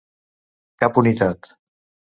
Cap unitat.